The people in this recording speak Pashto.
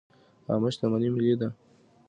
عامه شتمني ملي ده